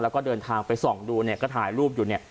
แล้วก็เดินทางไปส่องดูเนี่ยก็ถ่ายรูปอยู่เนี่ย